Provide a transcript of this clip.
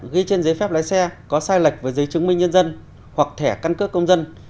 ghi trên giấy phép lái xe có sai lệch với giấy chứng minh nhân dân hoặc thẻ căn cước công dân